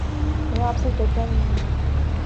میں آپ سے ڈرتا نہیں ہوں